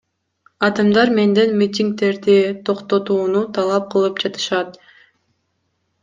Адамдар менден митингдерди токтотууну талап кылып жатышат.